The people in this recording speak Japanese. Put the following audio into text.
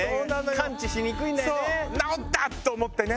完治しにくいんだよね。